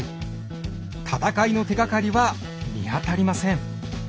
戦いの手がかりは見当たりません。